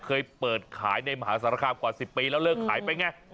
เคยเปิดขายในมหาสารคามกว่า๑๐ปีแล้วเลิกขายไปไง